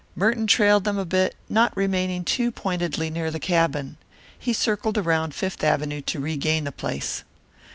Merton trailed them a bit, not remaining too pointedly near the cabin. He circled around through Fifth Avenue to regain the place.